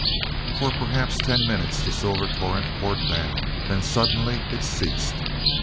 For perhaps ten minutes the silver torrent poured down. Then suddenly it ceased.